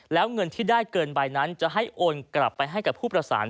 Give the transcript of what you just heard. แล้วเงินที่ได้เกินใบนั้นจะให้โอนกลับไปให้กับผู้ประสาน